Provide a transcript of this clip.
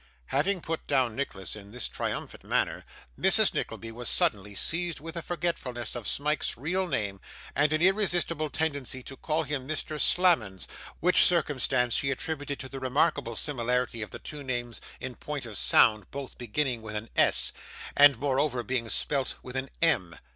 Having put down Nicholas in this triumphant manner, Mrs. Nickleby was suddenly seized with a forgetfulness of Smike's real name, and an irresistible tendency to call him Mr. Slammons; which circumstance she attributed to the remarkable similarity of the two names in point of sound both beginning with an S, and moreover being spelt with an M.